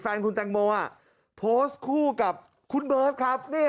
แฟนคุณแตงโมโพสต์คู่กับคุณเบิร์ตครับ